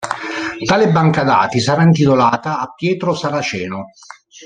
Tale banca dati sarà intitolata a Pietro Saraceno.